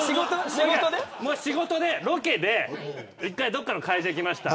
仕事で、ロケで１回どっかの会社に行きました。